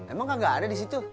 emang gak ada di situ